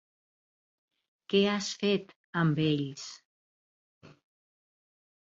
Què has fet amb ells?